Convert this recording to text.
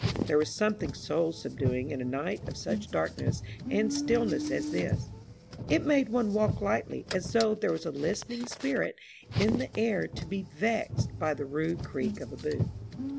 There was something soul subduing in a night of such darkness and stillness as this. It made one walk lightly, as though there were a listening spirit in the AN OCEAN MYSTERY, 221 air to be vexed by the rude creak of a boot.